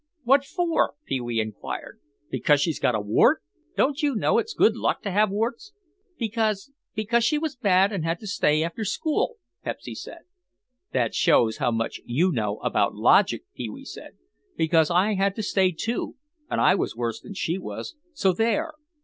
"What for?" Pee wee inquired. "Because she has a wart? Don't you know it's good luck to have warts?" "Because—because she was bad and had to stay after school," Pepsy said. "That shows how much you know about logic," Pee wee said, "because I had to stay too and I was worse than she was. So there."